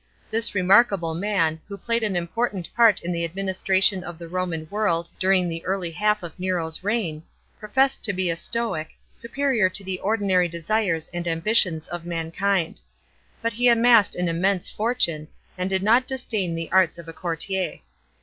This remarkable man, who played an imporant i art in the administraiion of the Homan world during the early half of Nero's reign, professed to be a Stoic, superior to the ordinary desires and amb tions of mankind. But he amassed an immense fortune, and did not disdain the arts of a courtier.